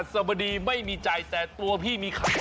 วันพฤหัสสบดีไม่มีใจแต่ตัวพี่มีไข่อะไรวะเนี่ย